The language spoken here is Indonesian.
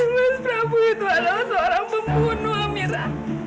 mas prabu itu adalah seorang pembunuh amira